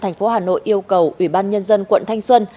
tp hà nội yêu cầu ủy ban nhân dân quận thanh xuân